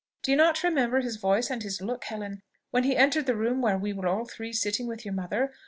Do you not remember his voice and his look, Helen, when he entered the room where we were all three sitting with your mother?